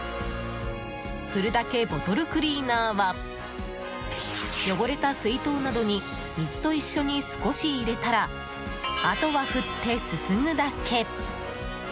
ふるだけボトルクリーナーは汚れた水筒などに水と一緒に少し入れたらあとは振って、すすぐだけ！